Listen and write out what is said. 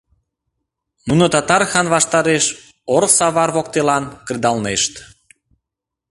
Нуно татар хан ваштареш ор-савар воктелан кредалнешт.